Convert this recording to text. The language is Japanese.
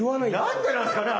何でなんですかね